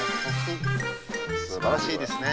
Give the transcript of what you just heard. すばらしいですね。